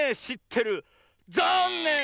ざんねん！